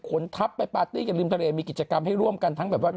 คนทัพไปปาร์ตี้กับริมทะเล